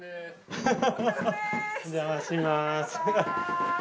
お邪魔します。